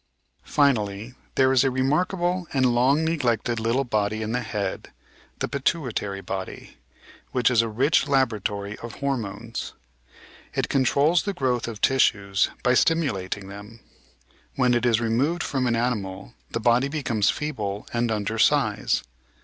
Finally, there is a remarkable and long neglected little body in the head, the "pituitary body," which is a rich laboratory of hormones. It controls the growth of tissues by stimulating them. When it is removed from an animal, the body becomes feeble and undersize.